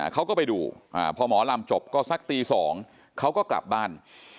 เขาก็ไปดูพอหมอลำจบก็สักตี๒เขาก็กลับบ้าน